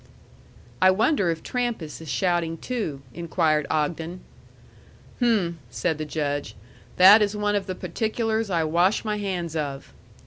"I wonder if Trampas is shouting too?" inquired Ogden. "Hm!" said the Judge. "That is one of the particulars I wash my hands of."